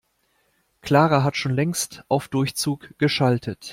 Clara hat schon längst auf Durchzug geschaltet.